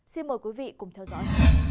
xin mời quý vị cùng theo dõi